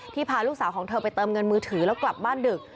พาลูกสาวของเธอไปเติมเงินมือถือแล้วกลับบ้านดึก